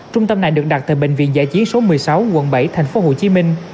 trung tâm này được đặt tại bệnh viện giải chí số một mươi sáu quận bảy tp hcm